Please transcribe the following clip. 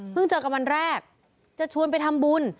เจอกันวันแรกจะชวนไปทำบุญ